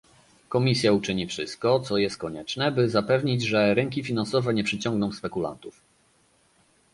Komisja uczyni wszystko, co jest konieczne, by zapewnić, że rynki finansowe nie przyciągną spekulantów